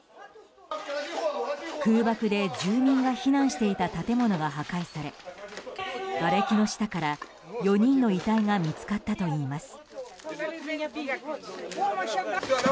空爆で、住民が避難していた建物が破壊されがれきの下から４人の遺体が見つかったといいます。